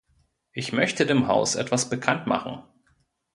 Ich möchte dem Haus etwas bekanntmachen.